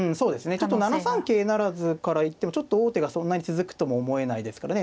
ちょっと７三桂不成から行ってもちょっと王手がそんなに続くとも思えないですからね。